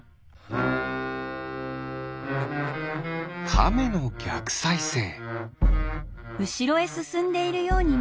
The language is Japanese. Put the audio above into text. カメのぎゃくさいせい。